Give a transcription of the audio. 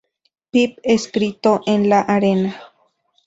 Pip escrito en la arena.